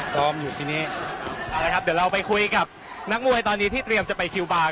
ซ้อมอยู่ทีนี้เอาละครับเดี๋ยวเราไปคุยกับนักมวยตอนนี้ที่เตรียมจะไปคิวบาร์